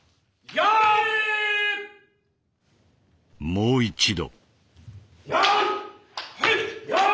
もう一度。